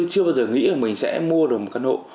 chưa bao giờ nghĩ là mình sẽ mua được một căn hộ